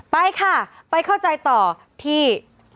ไปค่ะไปเข้าใจต่อที่